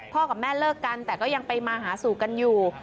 กับแม่เลิกกันแต่ก็ยังไปมาหาสู่กันอยู่